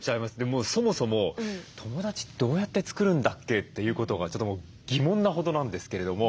そもそも友だちどうやって作るんだっけ？ということがちょっと疑問なほどなんですけれども。